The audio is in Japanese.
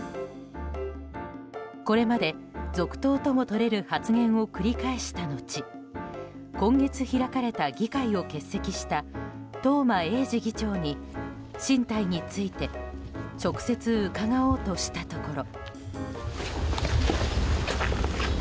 これまで続投ともとれる発言を繰り返した後今月、開かれた議会を欠席した東間永次議長に進退について直接伺おうとしたところ。